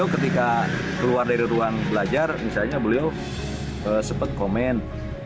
ketika keluar dari ruang belajar misalnya beliau sempat komen